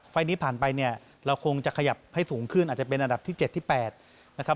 ไฟล์นี้ผ่านไปเนี่ยเราคงจะขยับให้สูงขึ้นอาจจะเป็นอันดับที่๗ที่๘นะครับ